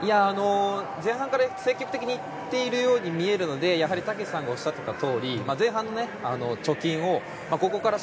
前半から積極的にいっているように見えるので丈志さんがおっしゃっていたとおり前半の貯金をここから。